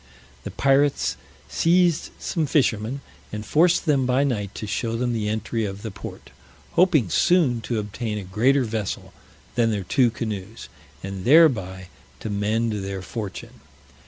The pirates seized some fishermen, and forced them by night to show them the entry of the port, hoping soon to obtain a greater vessel than their two canoes, and thereby to mend their fortune.